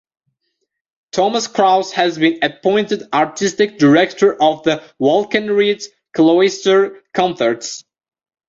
Thomas Krause has been appointed artistic director of the Walkenried Cloister Concerts.